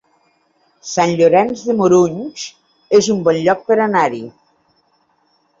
Sant Llorenç de Morunys es un bon lloc per anar-hi